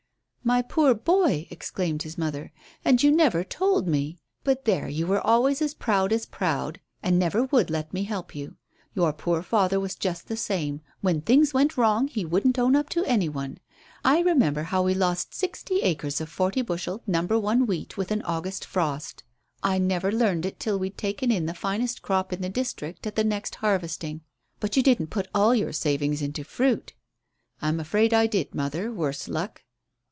"My poor boy!" exclaimed his mother; "and you never told me. But there, you were always as proud as proud, and never would let me help you. Your poor father was just the same; when things went wrong he wouldn't own up to any one. I remember how we lost sixty acres of forty bushel, No. 1 wheat with an August frost. I never learned it till we'd taken in the finest crop in the district at the next harvesting. But you didn't put all your savings into fruit?" "I'm afraid I did, mother, worse luck."